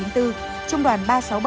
trung đoàn ba trăm sáu mươi bảy